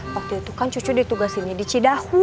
waktu itu kan cucu ditugasinnya di cik dahu